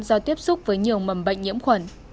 do tiếp xúc với nhiều mầm bệnh nhiễm khuẩn